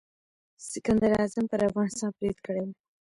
سکندر اعظم پر افغانستان برید کړی و.